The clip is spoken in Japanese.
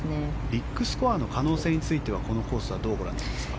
ビッグスコアの可能性についてはこのコースはどうご覧になりますか？